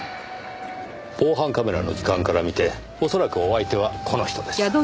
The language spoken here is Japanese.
防犯カメラの時間から見て恐らくお相手はこの人です。